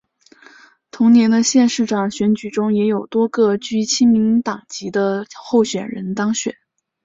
同年的县市长选举中也有多个具亲民党籍的候选人当选。